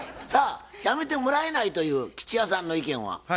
さあやめてもらえないという吉弥さんの意見は？